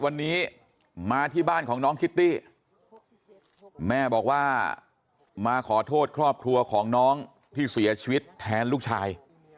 วันนี้มาที่บ้านของน้องคิตตี้แม่บอกว่ามาขอโทษครอบครัวของน้องที่เสียชีวิตแทนลูกชาย